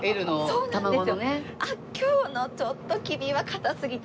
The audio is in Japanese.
そうなんです。